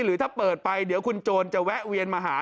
หรือถ้าเปิดไปเดี๋ยวคุณโจรจะแวะเวียนมาหา